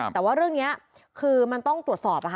แต่ว่าเรื่องนี้คือมันต้องตรวจสอบ